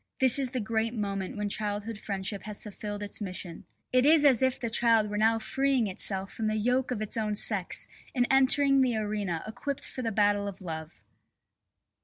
This is the great moment when childhood friendship has fulfilled its mission. It is as if the child were now freeing itself from the yoke of its own sex and entering the arena equipped for the battle of love.